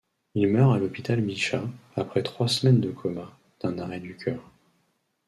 Il meurt à l'hôpital Bichat, après trois semaines de coma, d'un arrêt du cœur.